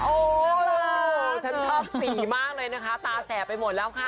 โอ้โหฉันชอบสีมากเลยนะคะตาแสบไปหมดแล้วค่ะ